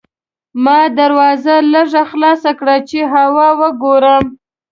ما دروازه لږه خلاصه کړه چې هوا وګورم.